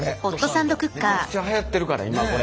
めちゃくちゃはやってるから今これ。